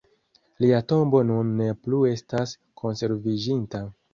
Lia tombo nun ne plu estas konserviĝinta.